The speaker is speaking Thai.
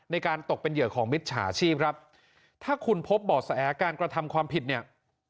ในการตกเป็นเหยื่อของมิจฉาชีพครับถ้าคุณพบบ่อแสการกระทำความผิดเนี่ย